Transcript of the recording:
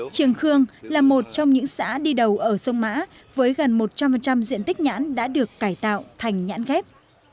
trường khương là một trong những xã đi đầu ở sông mã với gần một trăm linh diện tích nhãn đã được cải tạo thành nhãn ghép